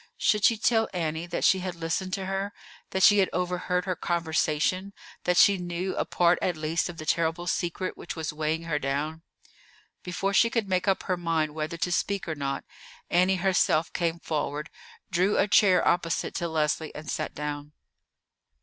Should she tell Annie that she had listened to her, that she had overheard her conversation, that she knew a part at least of the terrible secret which was weighing her down? Before she could make up her mind whether to speak or not, Annie herself came forward, drew a chair opposite to Leslie, and sat down.